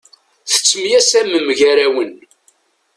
Tettemyasamem gar-awen.